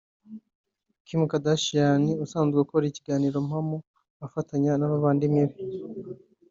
Kim Kardashian usanzwe ukora ikiganiro mpamo afatanya n’abavandimwe be